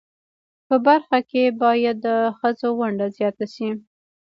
په برخه کښی باید د خځو ونډه ځیاته شی